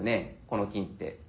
この金って。